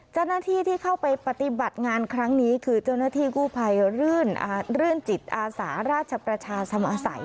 เจ้าหน้าที่ที่เข้าไปปฏิบัติงานครั้งนี้คือเจ้าหน้าที่กู้ภัยรื่นจิตอาสาราชประชาสมศัย